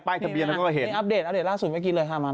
ป้ายทะเบียนก็เห็นมีอัพเดทอัพเดทล่าสุดเมื่อกี้เลยค่ะมาแล้ว